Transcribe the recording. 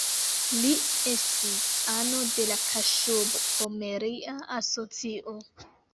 Li estis ano de la Kaŝub-Pomeria Asocio.